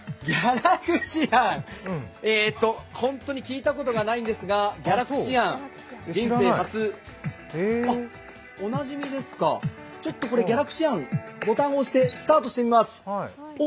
本当に聞いたことがないんですが、人生初、おなじみですかちょっと「ギャラクシアン」ボタンを押してスタートしてみます。